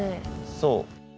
そう。